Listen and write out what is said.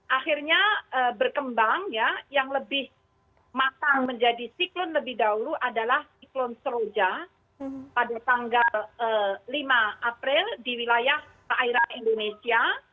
akhirnya berkembang ya yang lebih matang menjadi siklon lebih dahulu adalah siklon seroja pada tanggal lima april di wilayah perairan indonesia